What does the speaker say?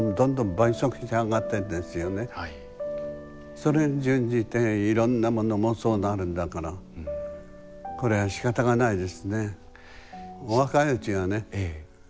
それに準じていろんなものもそうなるんだからこれはしかたがないですね。